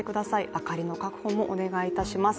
明かりの確保もお願いいたします。